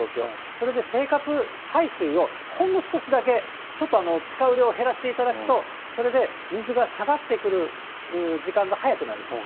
それで生活排水をほんの少しだけ、ちょっと使う量減らしていただくと、それで水が下がってくる時間がはやくなると。